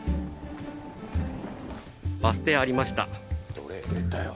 バス停ありました。